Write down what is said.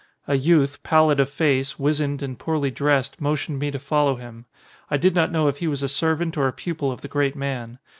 A youth, pallid of face, wizened, and poorly dressed, motioned me to follow him. I did not know if he was a servant or a pupil of the great man.